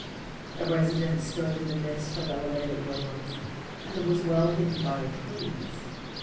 The residence stood in the midst of elevated woodlands, and was well hidden by the trees.